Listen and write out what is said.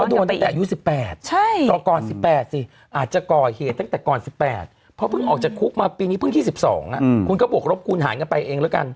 โดนตั้งแต่อายุ๑๘ต่อก่อน๑๘สิอาจจะก่อเหตุตั้งแต่ก่อน๑๘เพราะเพิ่งออกจากคุกมาปีนี้เพิ่ง๒๒คุณก็บวกรบคูณหารกันไปเองแล้วกัน